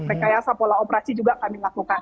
rekayasa pola operasi juga kami lakukan